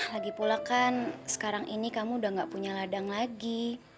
lagi pula kan sekarang ini kamu udah gak punya ladang lagi